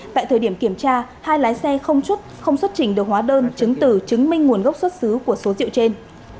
tại thời điểm kiểm tra hai lái xe không xuất trình được hóa đơn chứng tử chứng minh nguồn gốc xuất xứ của số rượu trên